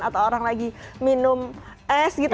atau orang lagi minum es gitu